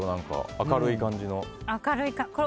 明るい感じの。